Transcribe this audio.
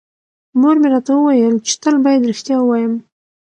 مور مې راته وویل چې تل بايد رښتیا ووایم.